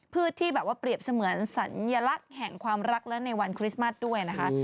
ที่แบบว่าเปรียบเสมือนสัญลักษณ์แห่งความรักและในวันคริสต์มัสด้วยนะคะ